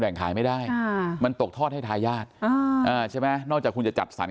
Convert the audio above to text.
ขายไม่ได้มันตกทอดให้ทายาทใช่ไหมนอกจากคุณจะจัดสรร